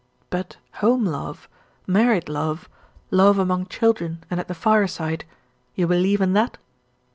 "But home love, married love, love among children and at the fire side; you believe in that?"